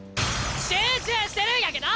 集中してるんやけど！